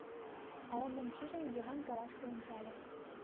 Ала-мом шижын, Йыван кавашке ончале.